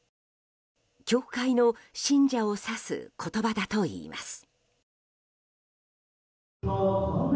教会の信者を指す言葉だといいます。